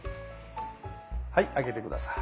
はい上げて下さい。